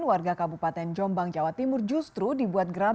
warga kabupaten jombang jawa timur justru dibuat geram